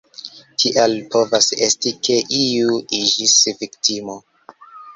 Tial povas esti ke iu iĝis viktimo.